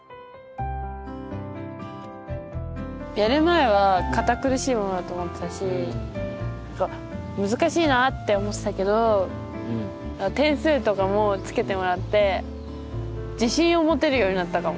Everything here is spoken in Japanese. やる前は堅苦しいものだと思ってたし難しいなって思ってたけど点数とかもつけてもらって自信を持てるようになったかも。